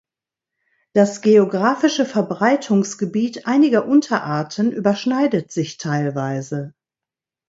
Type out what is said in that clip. Das geografische Verbreitungsgebiet einiger Unterarten überschneidet sich teilweise.